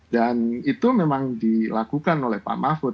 dan itu memang dilakukan oleh pak mahfud